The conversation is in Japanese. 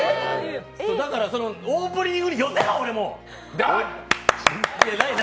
だからオープニングに寄せろ！